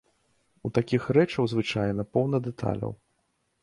У такіх рэчаў, звычайна, поўна дэталяў.